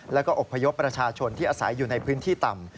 แล้วก็อบพยพประชาชนที่อาศัยอยู่ในพื้นที่ต่ำ